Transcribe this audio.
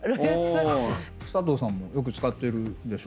佐藤さんもよく使ってるんでしょ？